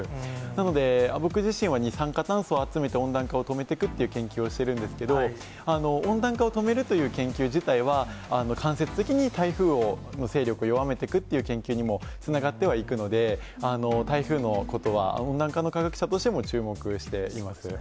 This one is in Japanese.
なので、僕自身は、二酸化炭素を集めて温暖化を止めていくっていう研究をしてるんですけど、温暖化を止めるという研究自体は、間接的に台風の勢力を弱めていくという研究にもつながってはいくので、台風のことは、温暖化の科学者としても注目しています。